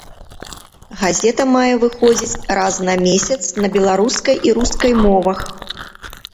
Газета мае выходзіць раз на месяц на беларускай і рускай мовах.